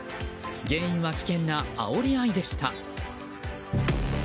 原因は危険なあおり合いでした。